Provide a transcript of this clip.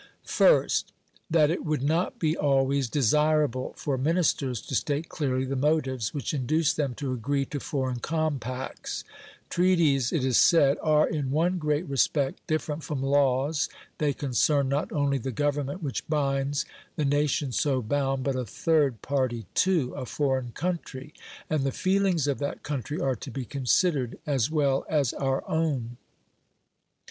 First, that it would not be always desirable for Ministers to state clearly the motives which induced them to agree to foreign compacts. "Treaties," it is said, "are in one great respect different from laws, they concern not only the Government which binds, the nation so bound, but a third party too a foreign country and the feelings of that country are to be considered as well as our own.